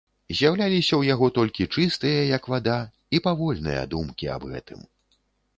З'яўляліся ў яго толькі чыстыя, як вада, і павольныя думкі аб гэтым.